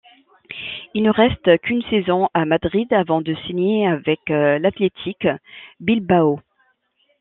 Il ne reste qu'une saison à Madrid avant de signer avec l'Athletic Bilbao.